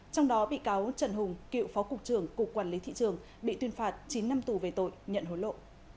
trong đó bị cáo trần hùng cựu phó cục trưởng cục quản lý thị trường bị tuyên phạt chín năm tù về tội nhận hối lộ